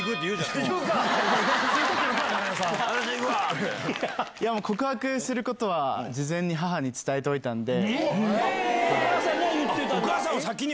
ついてくるか、告白することは事前に母に伝えておいたので。